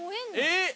えっ？